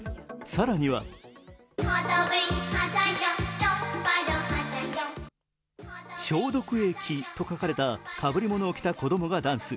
更には消毒液と書かれたかぶりものを着た子供がダンス。